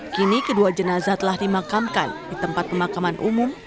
kini kedua jenazah telah dimakamkan di tempat pemakaman umum